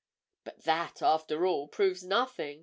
"But that, after all, proves nothing.